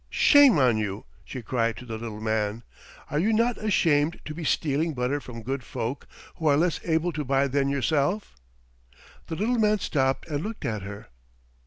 "Shame on you," she cried to the little man. "Are you not ashamed to be stealing butter from good folk who are less able to buy than yourself." The little man stopped and looked at her.